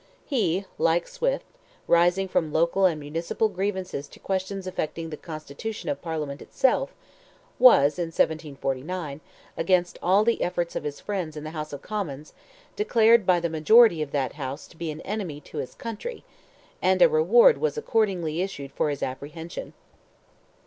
He, like Swift, rising from local and municipal grievances to questions affecting the constitution of Parliament itself, was in 1749, against all the efforts of his friends in the House of Commons, declared by the majority of that House to be "an enemy to his country," and a reward was accordingly issued for his apprehension.